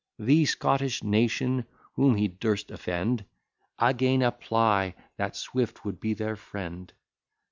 The Scottish nation, whom he durst offend, Again apply that Swift would be their friend.